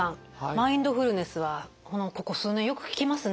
マインドフルネスはここ数年よく聞きますね。